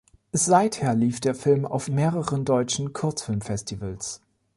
Seither lief der Film auf mehreren deutschen Kurzfilmfestivals.